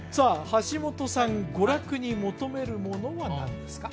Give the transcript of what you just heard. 橋本さん娯楽に求めるものは何ですか？